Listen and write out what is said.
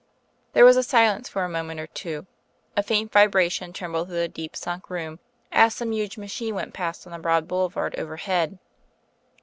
There was silence for a moment or two. A faint vibration trembled through the deep sunk room as some huge machine went past on the broad boulevard overhead.